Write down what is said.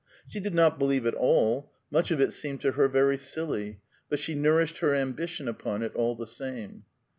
She did not believe it all; much of it seemed to her very silly; but she nourished her ambition upon it all the same.